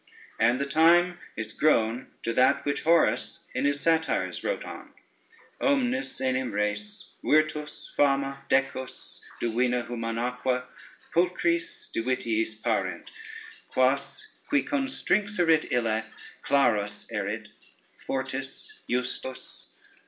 And the time is grown to that which Horace in his Satires wrote on: omnis enim res Virtus fama decus divina humanaque pulchris Divitiis parent: quas qui construxerit ille Clarus erit, fortis, justus.